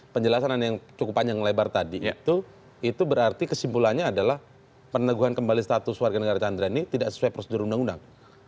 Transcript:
penjelasan yang cukup panjang lebar tadi itu berarti kesimpulannya adalah peneguhan kembali status warga negara chandra ini tidak sesuai prosedur undang undang